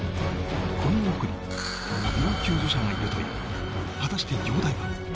この奥に要救助者がいるという果たして容体は？